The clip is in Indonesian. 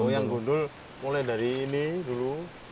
yang gundul mulai dari ini dulu